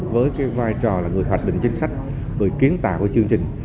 với vai trò là người hoạch định chính sách người kiến tạo chương trình